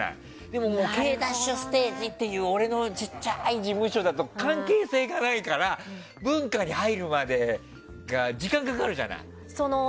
でももうケイダッシュステージっていう俺の小さい事務所だと関係性がないから文化に入るまでが時間がかかるじゃない。